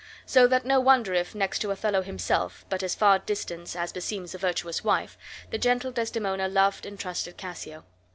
So that no wonder if, next to Othello himself (but at far distance, as beseems a virtuous wife), the gentle Desdemona loved and trusted Cassio.